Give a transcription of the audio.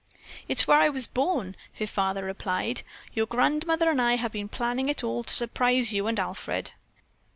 "It's where I was born," her father replied. "Your grandmother and I have been planning it all to surprise you and Alfred."